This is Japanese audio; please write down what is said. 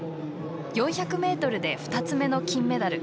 ４００ｍで２つ目の金メダル。